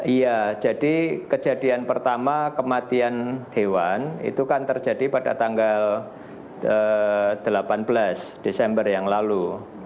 iya jadi kejadian pertama kematian hewan itu kan terjadi pada tanggal delapan belas desember yang lalu